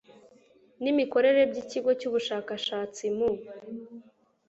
n imikorere by ikigo cy ubushakashatsi mu